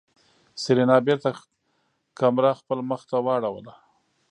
سېرېنا بېرته کمره خپل مخ ته واړوله.